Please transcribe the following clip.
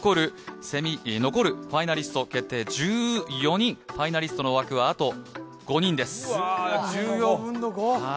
残るファイナリスト決定１４人、ファイナリストの枠は、あと５人です。